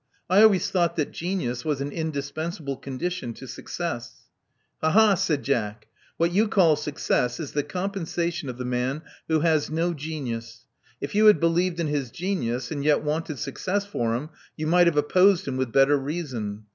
I always thought that genius was an indispensable condition to success." Ha! ha!" said Jack. What you call success is the compensation of the man who has no genius. If youTiad believed in his genius, and yet wanted suc cess for him, you might have opposed him with better reason.